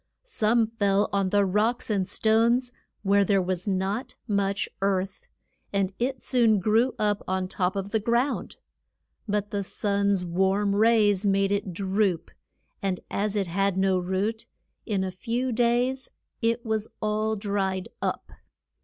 Some fell on the rocks and stones where there was not much earth, and it soon grew up on top of the ground. But the sun's warm rays made it droop, and as it had no root, in a few days it was all dried up.